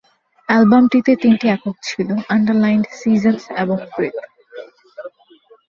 অ্যালবামটিতে তিনটি একক ছিল: "আন্ডারলাইনড", "সিজনস" এবং "ব্রেথ"।